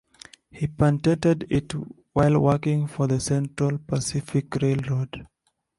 He patented it while working for the Central Pacific Railroad.